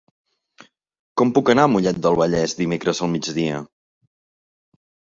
Com puc anar a Mollet del Vallès dimecres al migdia?